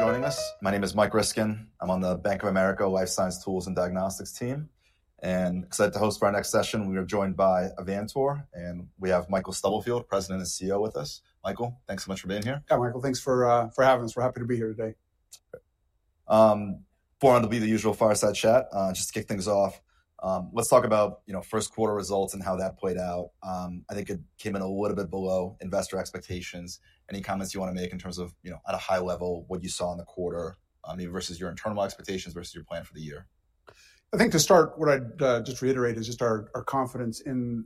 Joining us. My name is Mike Ryskin. I'm on the Bank of America Life Science Tools and Diagnostics team. I'm excited to host for our next session. We are joined by Avantor, and we have Michael Stubblefield, President and CEO, with us. Michael, thanks so much for being here. Yeah, Michael, thanks for having us. We're happy to be here today. Forum will be the usual fireside chat. Just to kick things off, let's talk about first quarter results and how that played out. I think it came in a little bit below investor expectations. Any comments you want to make in terms of, at a high level, what you saw in the quarter versus your internal expectations versus your plan for the year? I think to start, what I'd just reiterate is just our confidence in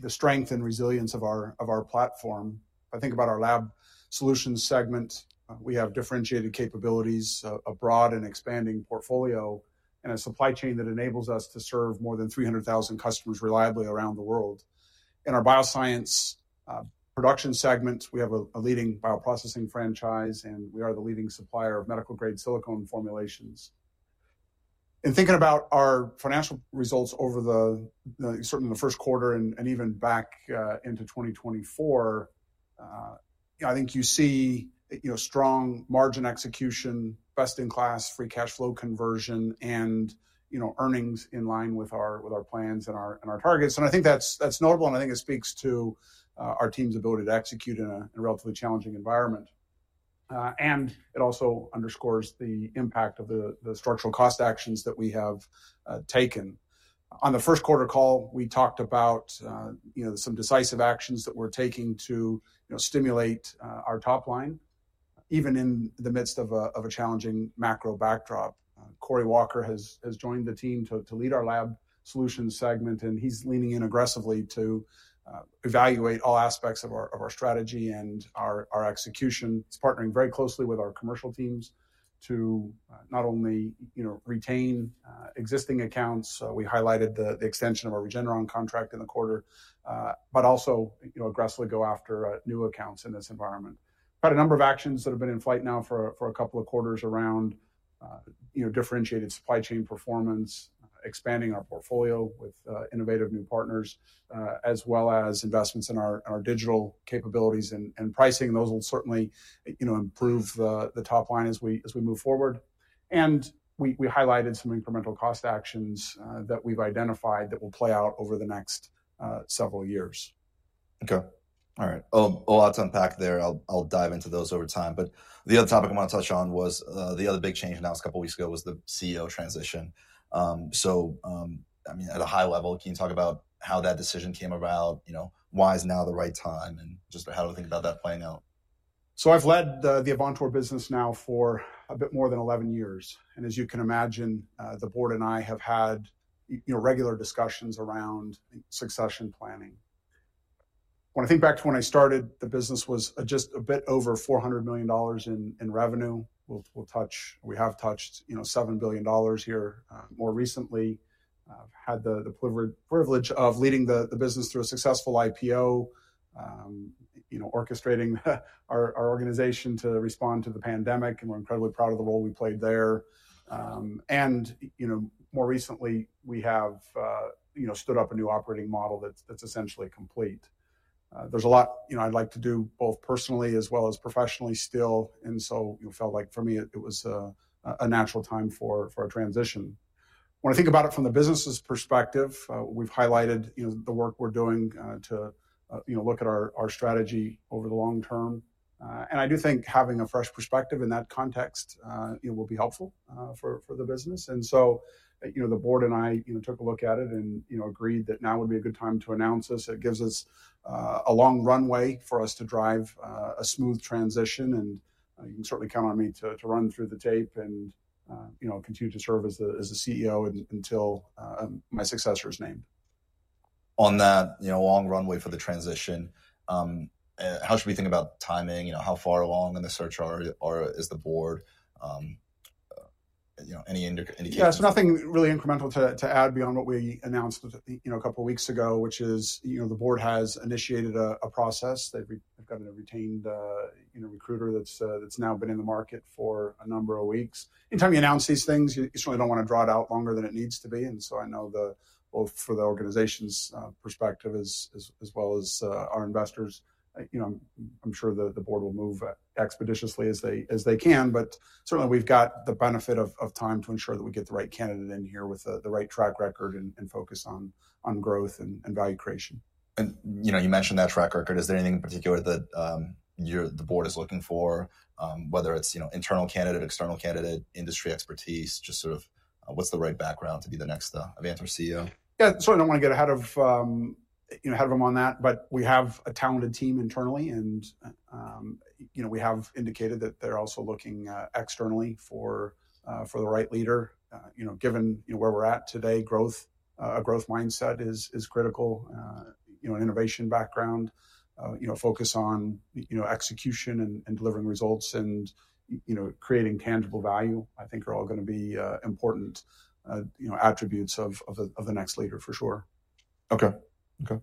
the strength and resilience of our platform. If I think about our lab solutions segment, we have differentiated capabilities, a broad and expanding portfolio, and a supply chain that enables us to serve more than 300,000 customers reliably around the world. In our bioscience production segment, we have a leading bioprocessing franchise, and we are the leading supplier of medical-grade silicone formulations. In thinking about our financial results over the, certainly the first quarter and even back into 2024, I think you see strong margin execution, best-in-class free cash flow conversion, and earnings in line with our plans and our targets. I think that's notable, and I think it speaks to our team's ability to execute in a relatively challenging environment. It also underscores the impact of the structural cost actions that we have taken. On the first quarter call, we talked about some decisive actions that we're taking to stimulate our top line, even in the midst of a challenging macro backdrop. Corey Walker has joined the team to lead our lab solutions segment, and he's leaning in aggressively to evaluate all aspects of our strategy and our execution. He's partnering very closely with our commercial teams to not only retain existing accounts; we highlighted the extension of our Regeneron contract in the quarter, but also aggressively go after new accounts in this environment. Quite a number of actions that have been in flight now for a couple of quarters around differentiated supply chain performance, expanding our portfolio with innovative new partners, as well as investments in our digital capabilities and pricing. Those will certainly improve the top line as we move forward. We highlighted some incremental cost actions that we've identified that will play out over the next several years. Okay. All right. A lot to unpack there. I'll dive into those over time. The other topic I want to touch on was the other big change announced a couple of weeks ago was the CEO transition. I mean, at a high level, can you talk about how that decision came about? Why is now the right time? Just how do you think about that playing out? I've led the Avantor business now for a bit more than 11 years. As you can imagine, the board and I have had regular discussions around succession planning. When I think back to when I started, the business was just a bit over $400 million in revenue. We have touched $7 billion here more recently. I've had the privilege of leading the business through a successful IPO, orchestrating our organization to respond to the pandemic, and we're incredibly proud of the role we played there. More recently, we have stood up a new operating model that's essentially complete. There's a lot I'd like to do both personally as well as professionally still. It felt like for me, it was a natural time for a transition. When I think about it from the business's perspective, we've highlighted the work we're doing to look at our strategy over the long term. I do think having a fresh perspective in that context will be helpful for the business. The board and I took a look at it and agreed that now would be a good time to announce this. It gives us a long runway for us to drive a smooth transition. You can certainly count on me to run through the tape and continue to serve as the CEO until my successor is named. On that long runway for the transition, how should we think about timing? How far along in the search is the board? Any indications? Yeah, so nothing really incremental to add beyond what we announced a couple of weeks ago, which is the board has initiated a process. They've got a retained recruiter that's now been in the market for a number of weeks. Anytime you announce these things, you certainly don't want to draw it out longer than it needs to be. I know both for the organization's perspective as well as our investors, I'm sure the board will move expeditiously as they can. Certainly, we've got the benefit of time to ensure that we get the right candidate in here with the right track record and focus on growth and value creation. You mentioned that track record. Is there anything in particular that the board is looking for, whether it's internal candidate, external candidate, industry expertise, just sort of what's the right background to be the next Avantor CEO? Yeah, certainly do not want to get ahead of them on that. We have a talented team internally, and we have indicated that they are also looking externally for the right leader. Given where we are at today, a growth mindset is critical. An innovation background, focus on execution and delivering results and creating tangible value, I think, are all going to be important attributes of the next leader, for sure. Okay. Okay. All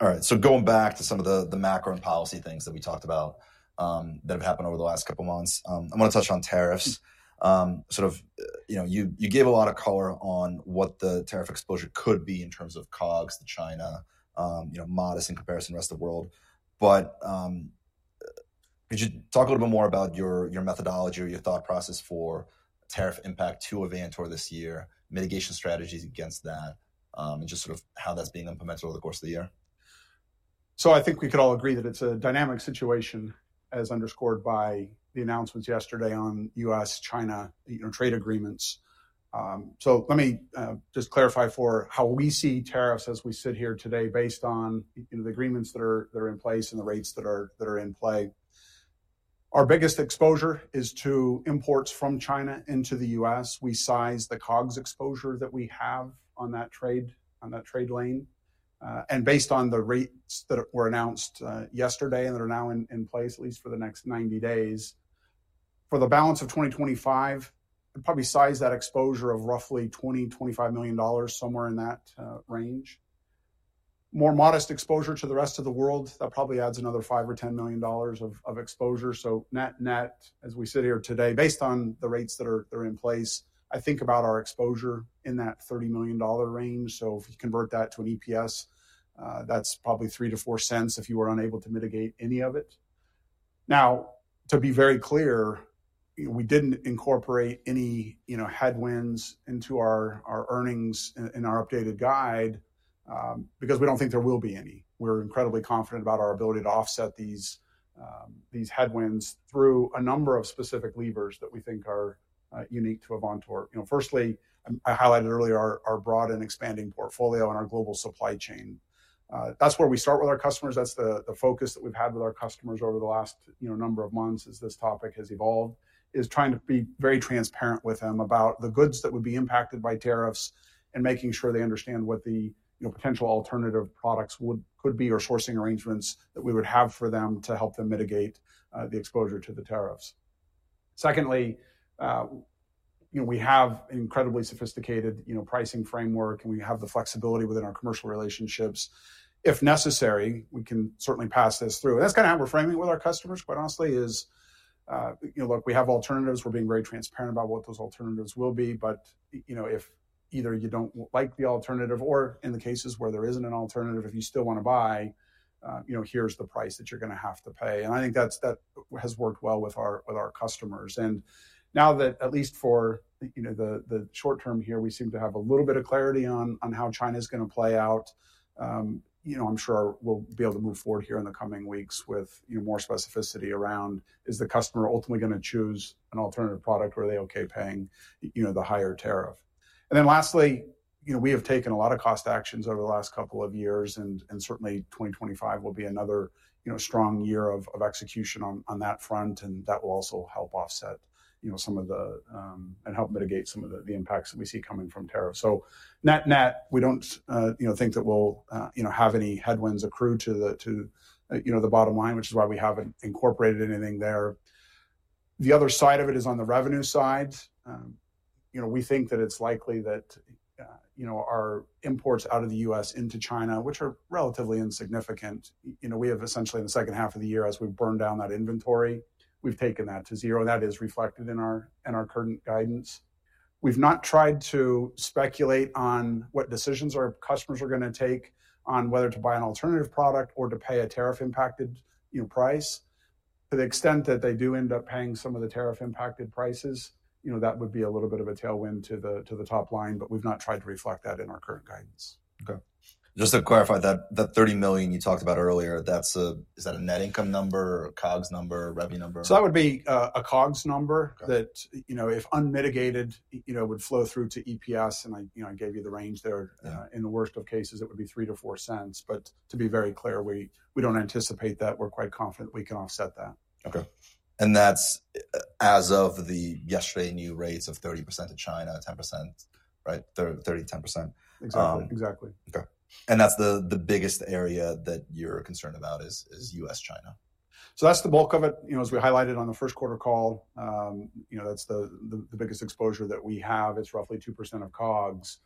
right. Going back to some of the macro and policy things that we talked about that have happened over the last couple of months, I want to touch on tariffs. Sort of you gave a lot of color on what the tariff exposure could be in terms of COGS to China, modest in comparison to the rest of the world. Could you talk a little bit more about your methodology or your thought process for tariff impact to Avantor this year, mitigation strategies against that, and just sort of how that's being implemented over the course of the year? I think we could all agree that it's a dynamic situation, as underscored by the announcements yesterday on U.S.-China trade agreements. Let me just clarify for how we see tariffs as we sit here today based on the agreements that are in place and the rates that are in play. Our biggest exposure is to imports from China into the U.S. We size the COGS exposure that we have on that trade lane. Based on the rates that were announced yesterday and that are now in place, at least for the next 90 days, for the balance of 2025, I'd probably size that exposure at roughly $20 million-$25 million, somewhere in that range. More modest exposure to the rest of the world probably adds another $5 million or $10 million of exposure. Net net, as we sit here today, based on the rates that are in place, I think about our exposure in that $30 million range. If you convert that to an EPS, that's probably $0.03-$0.04 cents if you were unable to mitigate any of it. Now, to be very clear, we did not incorporate any headwinds into our earnings in our updated guide because we do not think there will be any. We are incredibly confident about our ability to offset these headwinds through a number of specific levers that we think are unique to Avantor. Firstly, I highlighted earlier our broad and expanding portfolio and our global supply chain. That is where we start with our customers. That's the focus that we've had with our customers over the last number of months as this topic has evolved, is trying to be very transparent with them about the goods that would be impacted by tariffs and making sure they understand what the potential alternative products could be or sourcing arrangements that we would have for them to help them mitigate the exposure to the tariffs. Secondly, we have an incredibly sophisticated pricing framework, and we have the flexibility within our commercial relationships. If necessary, we can certainly pass this through. That's kind of how we're framing it with our customers, quite honestly, is, look, we have alternatives. We're being very transparent about what those alternatives will be. If either you do not like the alternative or in the cases where there is not an alternative, if you still want to buy, here is the price that you are going to have to pay. I think that has worked well with our customers. Now that at least for the short term here, we seem to have a little bit of clarity on how China is going to play out, I am sure we will be able to move forward here in the coming weeks with more specificity around, is the customer ultimately going to choose an alternative product? Are they okay paying the higher tariff? Lastly, we have taken a lot of cost actions over the last couple of years, and certainly 2025 will be another strong year of execution on that front. That will also help offset some of the and help mitigate some of the impacts that we see coming from tariffs. Net net, we do not think that we will have any headwinds accrue to the bottom line, which is why we have not incorporated anything there. The other side of it is on the revenue side. We think that it is likely that our imports out of the US into China, which are relatively insignificant, we have essentially in the second half of the year, as we have burned down that inventory, we have taken that to zero. That is reflected in our current guidance. We have not tried to speculate on what decisions our customers are going to take on whether to buy an alternative product or to pay a tariff-impacted price. To the extent that they do end up paying some of the tariff-impacted prices, that would be a little bit of a tailwind to the top line, but we've not tried to reflect that in our current guidance. Okay. Just to clarify that, that $30 million you talked about earlier, is that a net income number or a COGS number, revenue number? That would be a COGS number that, if unmitigated, would flow through to EPS. I gave you the range there. In the worst of cases, it would be $0.03-$0.04. To be very clear, we do not anticipate that. We are quite confident we can offset that. Okay. And that's as of the yesterday new rates of 30% to China, 10%, right? 30, 10%? Exactly. Exactly. Okay. That is the biggest area that you're concerned about, is US-China. That's the bulk of it. As we highlighted on the first quarter call, that's the biggest exposure that we have. It's roughly 2% of COGS.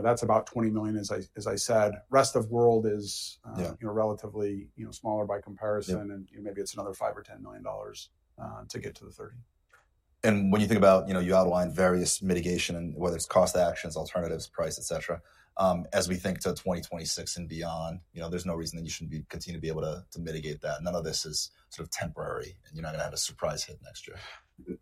That's about $20 million, as I said. The rest of the world is relatively smaller by comparison, and maybe it's another $5 million-$10 million to get to the $30 million. When you think about, you outlined various mitigation, whether it's cost actions, alternatives, price, et cetera, as we think to 2026 and beyond, there's no reason that you shouldn't continue to be able to mitigate that. None of this is sort of temporary, and you're not going to have a surprise hit next year.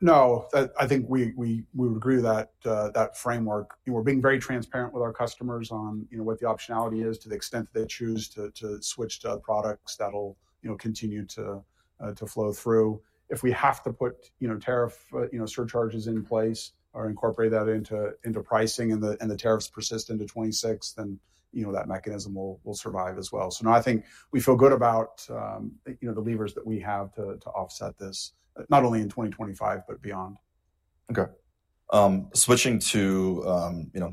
No. I think we would agree to that framework. We're being very transparent with our customers on what the optionality is to the extent that they choose to switch to products that'll continue to flow through. If we have to put tariff surcharges in place or incorporate that into pricing and the tariffs persist into 2026, then that mechanism will survive as well. No, I think we feel good about the levers that we have to offset this, not only in 2025, but beyond. Okay. Switching to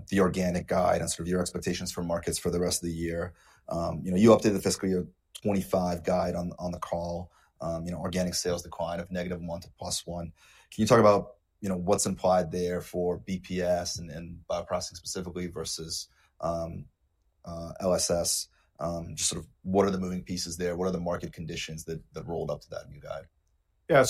the organic guide and sort of your expectations for markets for the rest of the year, you updated the fiscal year 2025 guide on the call, organic sales decline of -1% to +1%. Can you talk about what's implied there for BPS and bioprosthetic specifically versus LSS? Just sort of what are the moving pieces there? What are the market conditions that rolled up to that new guide? Yeah.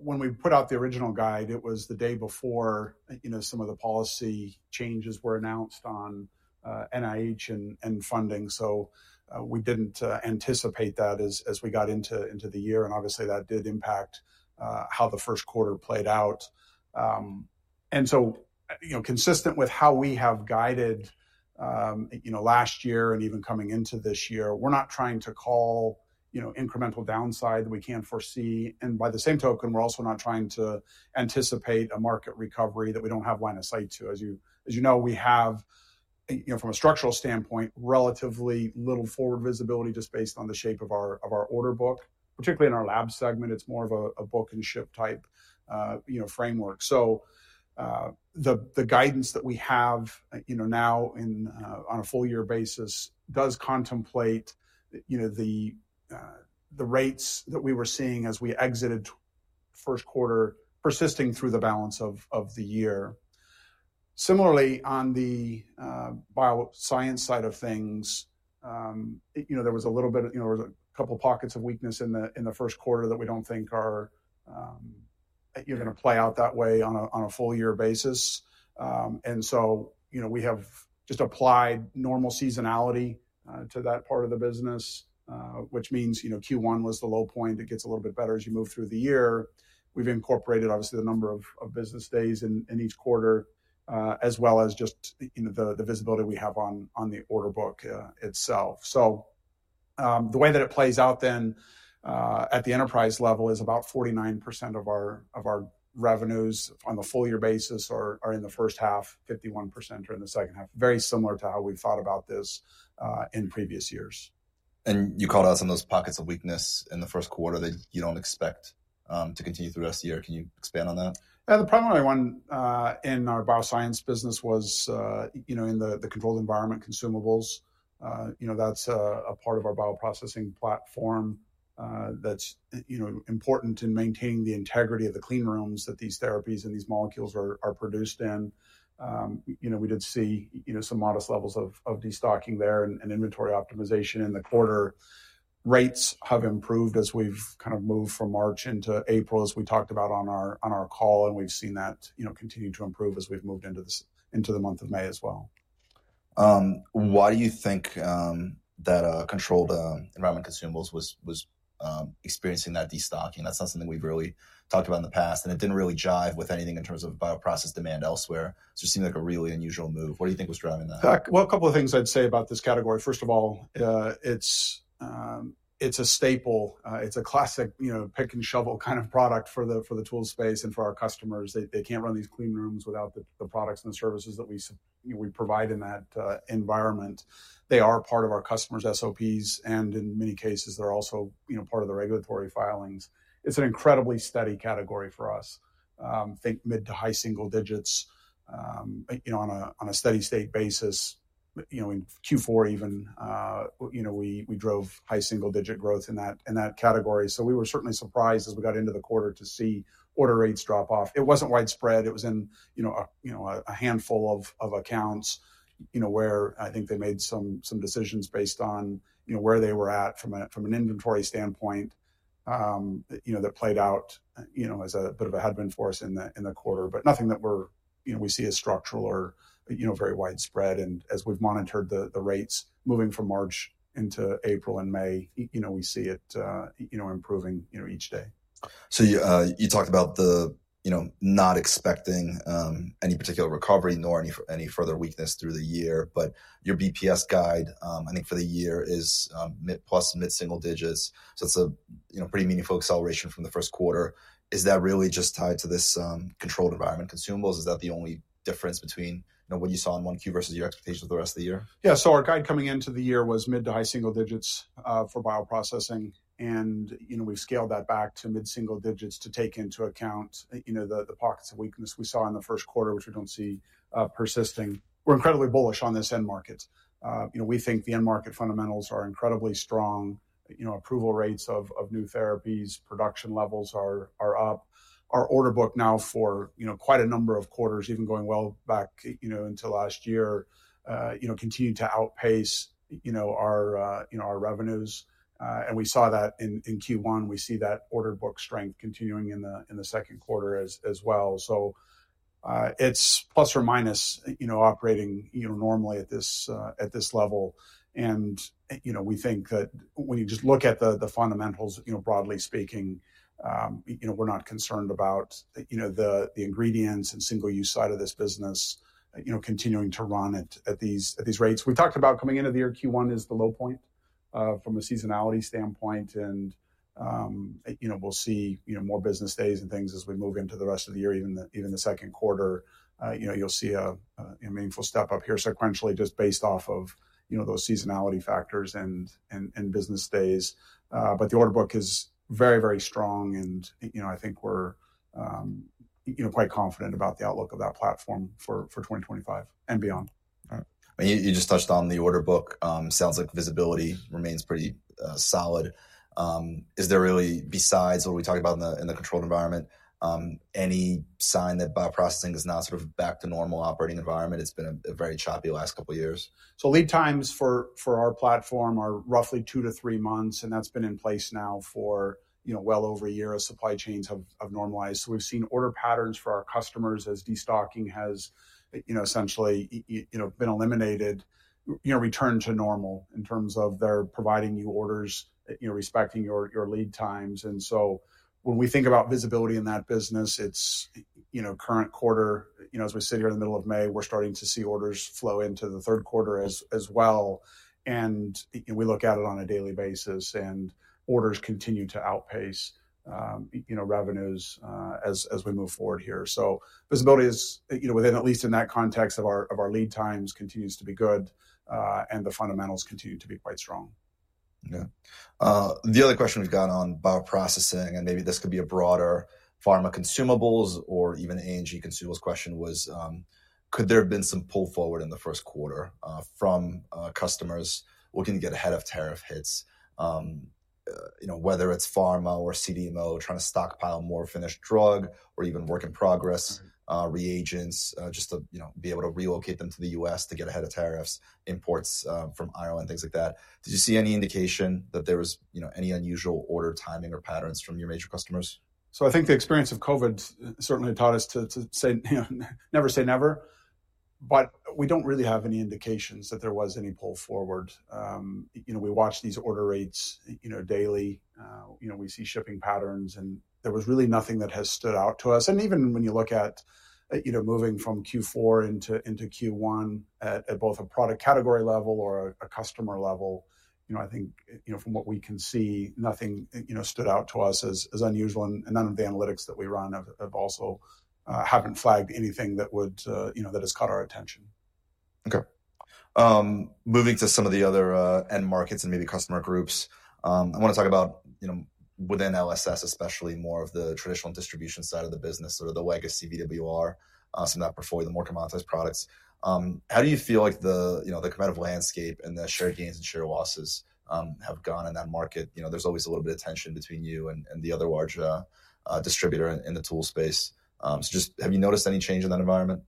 When we put out the original guide, it was the day before some of the policy changes were announced on NIH and funding. We did not anticipate that as we got into the year. Obviously, that did impact how the first quarter played out. Consistent with how we have guided last year and even coming into this year, we are not trying to call incremental downside that we cannot foresee. By the same token, we are also not trying to anticipate a market recovery that we do not have line of sight to. As you know, we have, from a structural standpoint, relatively little forward visibility just based on the shape of our order book. Particularly in our lab segment, it is more of a book and ship type framework. The guidance that we have now on a full year basis does contemplate the rates that we were seeing as we exited first quarter, persisting through the balance of the year. Similarly, on the bioscience side of things, there was a little bit of a couple of pockets of weakness in the first quarter that we do not think are going to play out that way on a full year basis. We have just applied normal seasonality to that part of the business, which means Q1 was the low point. It gets a little bit better as you move through the year. We have incorporated, obviously, the number of business days in each quarter, as well as just the visibility we have on the order book itself. The way that it plays out then at the enterprise level is about 49% of our revenues on the full year basis are in the first half, 51% are in the second half. Very similar to how we've thought about this in previous years. You called out some of those pockets of weakness in the first quarter that you do not expect to continue through the rest of the year. Can you expand on that? Yeah. The primary one in our bioscience business was in the controlled environment consumables. That's a part of our bioprocessing platform that's important in maintaining the integrity of the clean rooms that these therapies and these molecules are produced in. We did see some modest levels of destocking there and inventory optimization in the quarter. Rates have improved as we've kind of moved from March into April, as we talked about on our call. We have seen that continue to improve as we've moved into the month of May as well. Why do you think that controlled environment consumables was experiencing that destocking? That's not something we've really talked about in the past, and it didn't really jive with anything in terms of bioprocess demand elsewhere. It seemed like a really unusual move. What do you think was driving that? A couple of things I'd say about this category. First of all, it's a staple. It's a classic pick and shovel kind of product for the tool space and for our customers. They can't run these clean rooms without the products and the services that we provide in that environment. They are part of our customers' SOPs, and in many cases, they're also part of the regulatory filings. It's an incredibly steady category for us. Think mid to high single digits on a steady state basis. In Q4 even, we drove high single digit growth in that category. We were certainly surprised as we got into the quarter to see order rates drop off. It wasn't widespread. It was in a handful of accounts where I think they made some decisions based on where they were at from an inventory standpoint that played out as a bit of a headwind for us in the quarter, but nothing that we see as structural or very widespread. As we've monitored the rates moving from March into April and May, we see it improving each day. You talked about not expecting any particular recovery nor any further weakness through the year, but your EPS guide, I think for the year is mid to mid single digits. It is a pretty meaningful acceleration from the first quarter. Is that really just tied to this controlled environment consumables? Is that the only difference between what you saw in Q1 versus your expectations for the rest of the year? Yeah. Our guide coming into the year was mid to high single digits for bioprocessing. We have scaled that back to mid single digits to take into account the pockets of weakness we saw in the first quarter, which we do not see persisting. We are incredibly bullish on this end market. We think the end market fundamentals are incredibly strong. Approval rates of new therapies, production levels are up. Our order book now for quite a number of quarters, even going well back into last year, continued to outpace our revenues. We saw that in Q1. We see that order book strength continuing in the second quarter as well. It is plus or minus operating normally at this level. We think that when you just look at the fundamentals, broadly speaking, we're not concerned about the ingredients and single-use side of this business continuing to run at these rates. We talked about coming into the year, Q1 is the low point from a seasonality standpoint. We'll see more business days and things as we move into the rest of the year, even the second quarter. You'll see a meaningful step up here sequentially just based off of those seasonality factors and business days. The order book is very, very strong. I think we're quite confident about the outlook of that platform for 2025 and beyond. You just touched on the order book. Sounds like visibility remains pretty solid. Is there really, besides what we talked about in the controlled environment, any sign that bioprocessing is not sort of back to normal operating environment? It's been a very choppy last couple of years. Lead times for our platform are roughly two to three months, and that's been in place now for well over a year. Our supply chains have normalized. We've seen order patterns for our customers as destocking has essentially been eliminated, returned to normal in terms of they're providing new orders, respecting your lead times. When we think about visibility in that business, it's current quarter. As we sit here in the middle of May, we're starting to see orders flow into the third quarter as well. We look at it on a daily basis, and orders continue to outpace revenues as we move forward here. Visibility is within, at least in that context of our lead times, continues to be good, and the fundamentals continue to be quite strong. Okay. The other question we've got on bioprocessing, and maybe this could be a broader pharma consumables or even A&G consumables question, was could there have been some pull forward in the first quarter from customers looking to get ahead of tariff hits, whether it's pharma or CDMO trying to stockpile more finished drug or even work in progress reagents, just to be able to relocate them to the US to get ahead of tariffs, imports from Ireland, things like that. Did you see any indication that there was any unusual order timing or patterns from your major customers? I think the experience of COVID certainly taught us to say never say never, but we do not really have any indications that there was any pull forward. We watch these order rates daily. We see shipping patterns, and there was really nothing that has stood out to us. Even when you look at moving from Q4 into Q1 at both a product category level or a customer level, I think from what we can see, nothing stood out to us as unusual. None of the analytics that we run have flagged anything that has caught our attention. Okay. Moving to some of the other end markets and maybe customer groups, I want to talk about within LSS, especially more of the traditional distribution side of the business, sort of the legacy VWR, some of that portfolio, the more commoditized products. How do you feel like the competitive landscape and the shared gains and shared losses have gone in that market? There's always a little bit of tension between you and the other larger distributor in the tool space. Just have you noticed any change in that environment?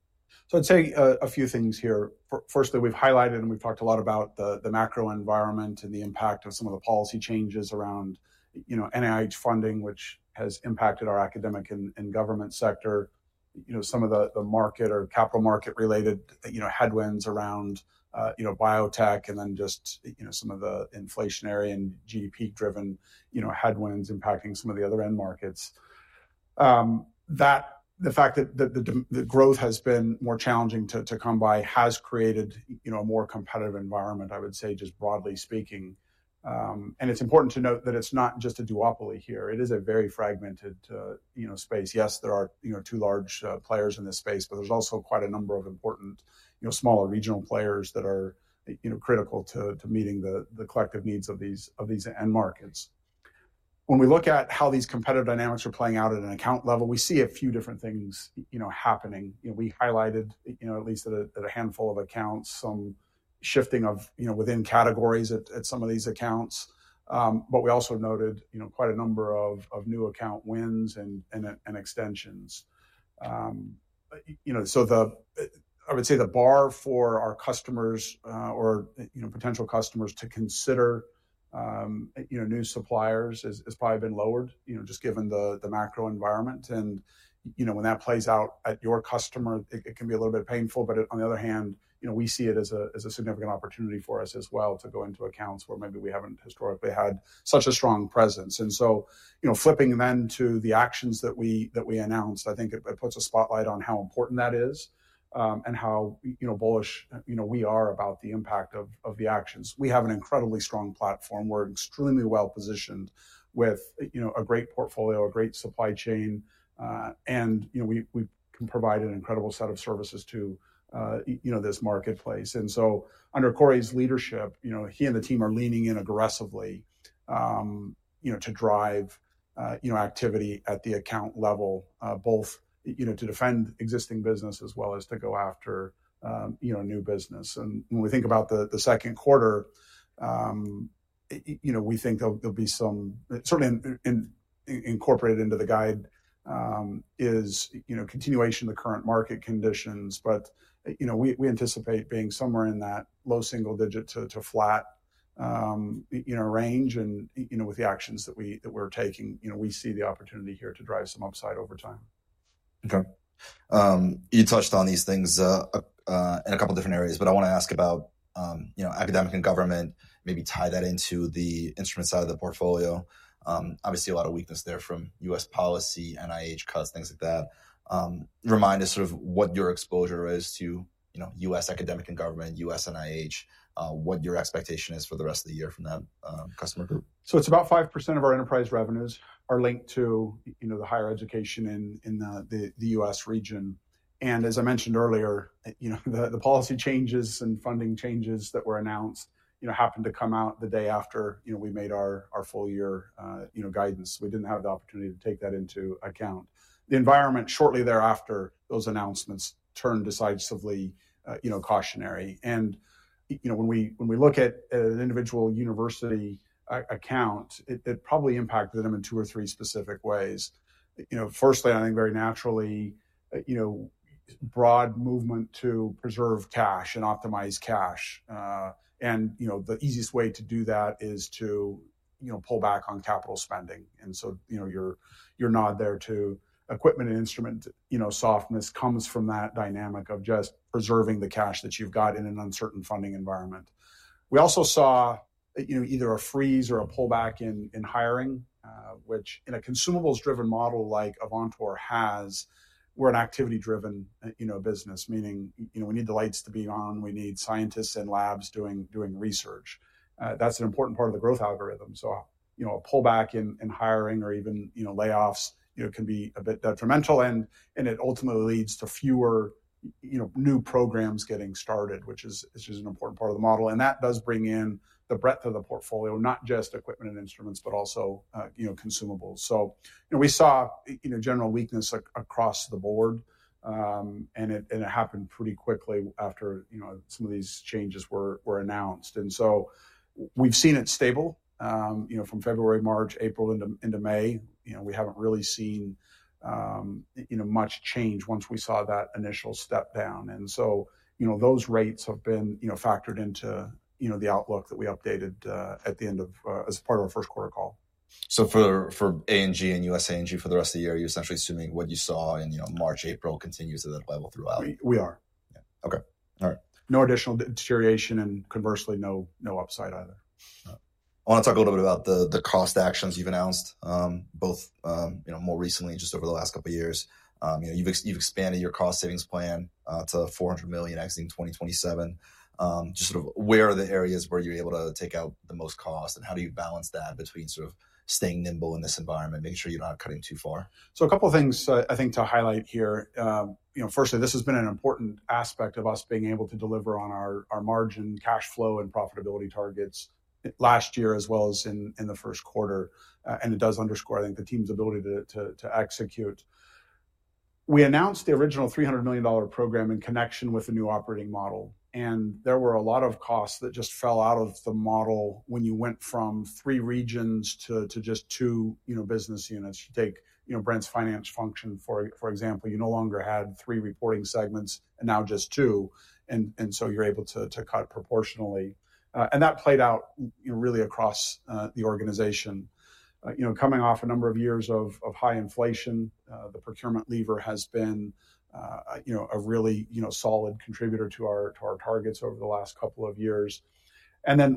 I'd say a few things here. Firstly, we've highlighted and we've talked a lot about the macro environment and the impact of some of the policy changes around NIH funding, which has impacted our academic and government sector. Some of the market or capital market-related headwinds around biotech and then just some of the inflationary and GDP-driven headwinds impacting some of the other end markets. The fact that the growth has been more challenging to come by has created a more competitive environment, I would say, just broadly speaking. It's important to note that it's not just a duopoly here. It is a very fragmented space. Yes, there are two large players in this space, but there's also quite a number of important smaller regional players that are critical to meeting the collective needs of these end markets. When we look at how these competitive dynamics are playing out at an account level, we see a few different things happening. We highlighted, at least at a handful of accounts, some shifting within categories at some of these accounts, but we also noted quite a number of new account wins and extensions. I would say the bar for our customers or potential customers to consider new suppliers has probably been lowered just given the macro environment. When that plays out at your customer, it can be a little bit painful. On the other hand, we see it as a significant opportunity for us as well to go into accounts where maybe we haven't historically had such a strong presence. Flipping then to the actions that we announced, I think it puts a spotlight on how important that is and how bullish we are about the impact of the actions. We have an incredibly strong platform. We are extremely well positioned with a great portfolio, a great supply chain, and we can provide an incredible set of services to this marketplace. Under Corey's leadership, he and the team are leaning in aggressively to drive activity at the account level, both to defend existing business as well as to go after new business. When we think about the second quarter, we think there'll be some certainly incorporated into the guide is continuation of the current market conditions, but we anticipate being somewhere in that low single-digit to flat range, and with the actions that we're taking, we see the opportunity here to drive some upside over time. Okay. You touched on these things in a couple of different areas, but I want to ask about academic and government, maybe tie that into the instrument side of the portfolio. Obviously, a lot of weakness there from US policy, NIH cuts, things like that. Remind us sort of what your exposure is to US academic and government, US NIH, what your expectation is for the rest of the year from that customer group. It's about 5% of our enterprise revenues are linked to the higher education in the U.S. region. As I mentioned earlier, the policy changes and funding changes that were announced happened to come out the day after we made our full-year guidance. We didn't have the opportunity to take that into account. The environment shortly thereafter, those announcements turned decisively cautionary. When we look at an individual university account, it probably impacted them in two or three specific ways. Firstly, I think very naturally, broad movement to preserve cash and optimize cash. The easiest way to do that is to pull back on capital spending. Your nod there to equipment and instrument softness comes from that dynamic of just preserving the cash that you've got in an uncertain funding environment. We also saw either a freeze or a pullback in hiring, which in a consumables-driven model like Avantor has, we're an activity-driven business, meaning we need the lights to be on. We need scientists and labs doing research. That's an important part of the growth algorithm. A pullback in hiring or even layoffs can be a bit detrimental, and it ultimately leads to fewer new programs getting started, which is just an important part of the model. That does bring in the breadth of the portfolio, not just equipment and instruments, but also consumables. We saw general weakness across the board, and it happened pretty quickly after some of these changes were announced. We have seen it stable from February, March, April into May. We haven't really seen much change once we saw that initial step down. Those rates have been factored into the outlook that we updated at the end of as part of our first quarter call. For A&G and US A&G for the rest of the year, you're essentially assuming what you saw in March, April continues at that level throughout. We are. Yeah. Okay. All right. No additional deterioration and conversely, no upside either. I want to talk a little bit about the cost actions you've announced, both more recently, just over the last couple of years. You've expanded your cost savings plan to $400 million exiting 2027. Just sort of where are the areas where you're able to take out the most cost and how do you balance that between sort of staying nimble in this environment, making sure you're not cutting too far? A couple of things I think to highlight here. Firstly, this has been an important aspect of us being able to deliver on our margin, cash flow, and profitability targets last year as well as in the first quarter. It does underscore, I think, the team's ability to execute. We announced the original $300 million program in connection with a new operating model. There were a lot of costs that just fell out of the model when you went from three regions to just two business units. You take Brent's finance function, for example, you no longer had three reporting segments and now just two. You are able to cut proportionally. That played out really across the organization. Coming off a number of years of high inflation, the procurement lever has been a really solid contributor to our targets over the last couple of years.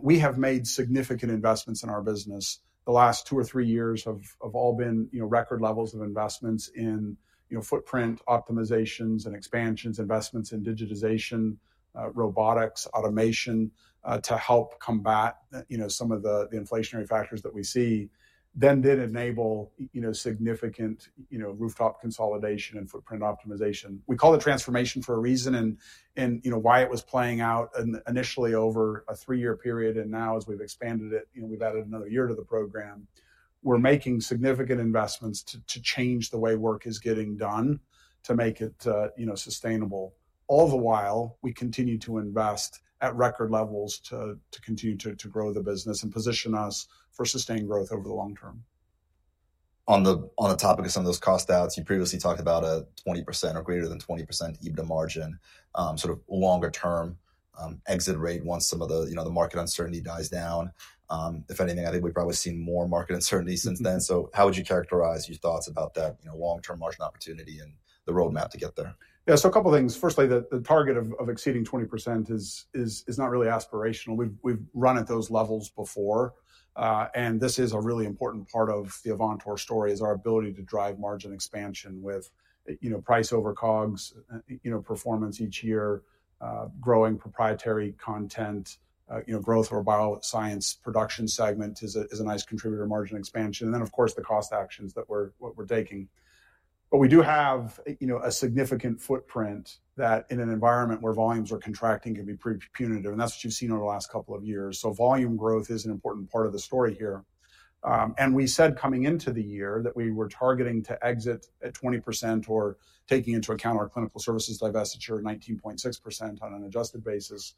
We have made significant investments in our business. The last two or three years have all been record levels of investments in footprint optimizations and expansions, investments in digitization, robotics, automation to help combat some of the inflationary factors that we see, which did enable significant rooftop consolidation and footprint optimization. We call it transformation for a reason and why it was playing out initially over a three-year period. As we have expanded it, we have added another year to the program. We are making significant investments to change the way work is getting done to make it sustainable. All the while, we continue to invest at record levels to continue to grow the business and position us for sustained growth over the long term. On the topic of some of those cost doubts, you previously talked about a 20% or greater than 20% EBITDA margin, sort of longer-term exit rate once some of the market uncertainty dies down. If anything, I think we've probably seen more market uncertainty since then. How would you characterize your thoughts about that long-term margin opportunity and the roadmap to get there? Yeah. So a couple of things. Firstly, the target of exceeding 20% is not really aspirational. We've run at those levels before. This is a really important part of the Avantor story, our ability to drive margin expansion with price over COGS performance each year, growing proprietary content, growth or bioscience production segment is a nice contributor to margin expansion. Of course, the cost actions that we're taking. We do have a significant footprint that in an environment where volumes are contracting can be pretty punitive. That is what you've seen over the last couple of years. Volume growth is an important part of the story here. We said coming into the year that we were targeting to exit at 20% or, taking into account our clinical services divestiture, at 19.6% on an adjusted basis.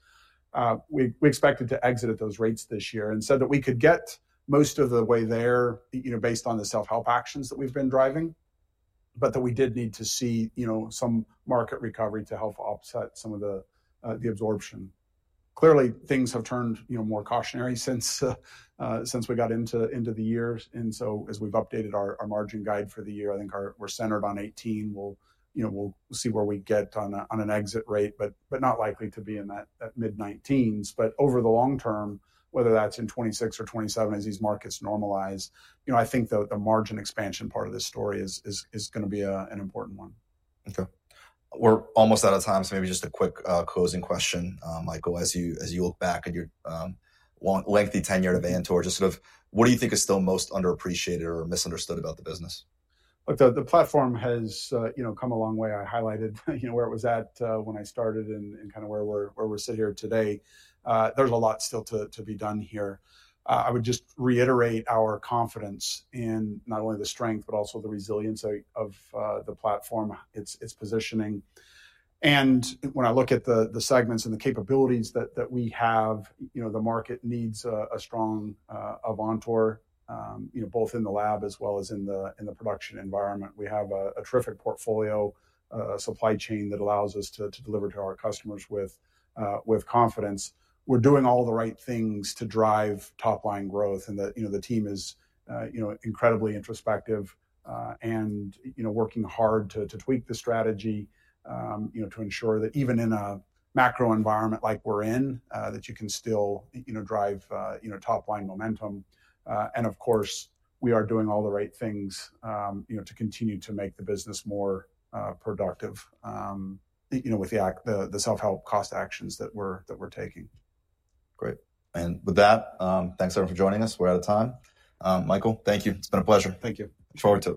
We expected to exit at those rates this year and said that we could get most of the way there based on the self-help actions that we've been driving, but that we did need to see some market recovery to help offset some of the absorption. Clearly, things have turned more cautionary since we got into the year. As we've updated our margin guide for the year, I think we're centered on 18. We'll see where we get on an exit rate, but not likely to be in that mid-19s. Over the long term, whether that's in 2026 or 2027 as these markets normalize, I think the margin expansion part of this story is going to be an important one. Okay. We're almost out of time, so maybe just a quick closing question, Michael, as you look back at your lengthy tenure at Avantor, just sort of what do you think is still most underappreciated or misunderstood about the business? Look, the platform has come a long way. I highlighted where it was at when I started and kind of where we're sitting here today. There's a lot still to be done here. I would just reiterate our confidence in not only the strength, but also the resilience of the platform, its positioning. When I look at the segments and the capabilities that we have, the market needs a strong Avantor, both in the lab as well as in the production environment. We have a terrific portfolio, a supply chain that allows us to deliver to our customers with confidence. We're doing all the right things to drive top-line growth, and the team is incredibly introspective and working hard to tweak the strategy to ensure that even in a macro environment like we're in, that you can still drive top-line momentum. Of course, we are doing all the right things to continue to make the business more productive with the self-help cost actions that we're taking. Great. With that, thanks everyone for joining us. We're out of time. Michael, thank you. It's been a pleasure. Thank you. Forward.